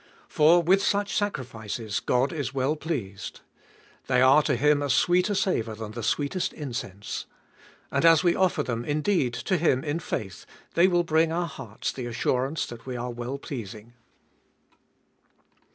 For with such sacrifices God is well pleased. They are to Him a sweeter savour than the sweetest incense. And as we offer them indeed to Him in faith, they will bring our hearts the assurance that we are well pleasing.